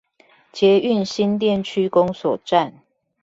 捷運新店區公所站